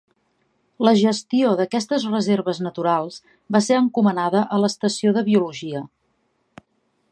La gestió d'aquestes reserves naturals va ser encomanada a l'estació de biologia.